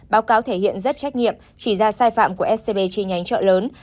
báo cáo thể hiện rất trách nhiệm chỉ ra sai phạm của scb chi nhánh chợ lớn